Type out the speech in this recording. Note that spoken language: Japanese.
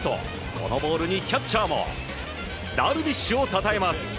このボールにキャッチャーもダルビッシュをたたえます。